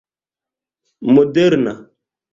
moderna